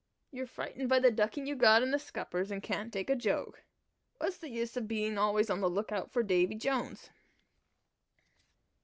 You're frightened by the ducking you got in the scuppers, and can't take a joke! What's the use in being always on the look out for Davy Jones?"